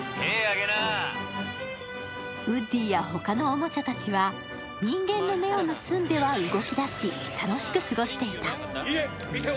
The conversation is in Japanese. ウッディや他のおもちゃたちは人間の目を盗んでは動き出し、楽しく過ごしていた。